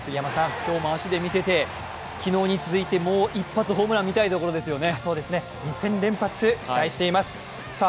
今日も足で見せて、昨日に続いてもう一発、ホームラン見たいところですよね。